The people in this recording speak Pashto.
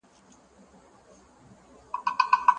کمپيوټر پوهنه د پراخې مطالعې او تمرین غوښتنه کوي.